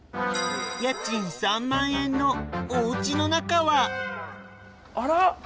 家賃３万円のお家の中はあら？